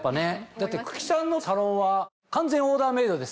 だって九鬼さんのサロンは完全オーダーメイドでしたっけ？